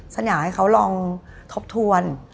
ฉันอยากให้เขาลองทบทวน